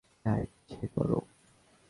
যা ইচ্ছে করো!